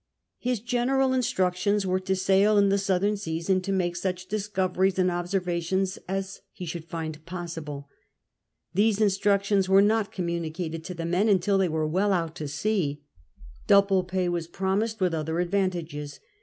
His general instructions were to ssiil in the southern seas and to make such discoveries and observations as he should find possible. These instruc tions were not communicated to the men until they were well out at sea. Double pay was promised, with other advantages.